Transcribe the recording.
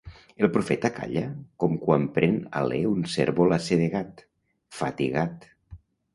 El Profeta calla com quan pren alè un cérvol assedegat, fatigat.